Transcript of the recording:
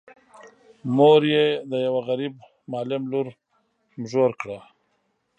مور یې د یوه غريب معلم لور نږور کړه.